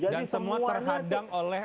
dan semua terhadap oleh